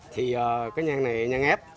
thì cái nhang này nhang ép